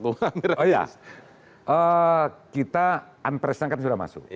oh ya kita anpresnya kan sudah masuk